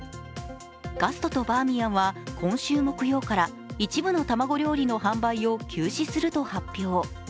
ガストとバーミヤンは今週木曜から一部の卵料理の販売を休止すると発表。